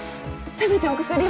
せめてお薬を。